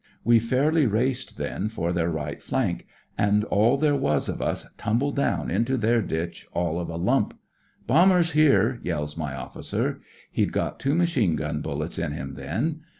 We fairly raced then for their right flank, an' all there was of us tumbled down into their ditch all of a lump. ' Bombers here I ' yells my officer. He'd got two machine gun bullets in him then.